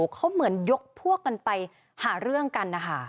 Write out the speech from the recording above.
เขาเหมือนยกพวกกันไปหาเรื่องกันนะคะ